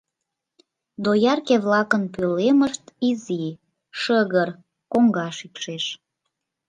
Доярке-влакын пӧлемышт изи, шыгыр, коҥга шикшеш.